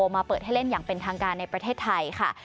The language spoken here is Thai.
มาเปิดให้เล่นอย่างเป็นทางการในประเทศไทยค่ะ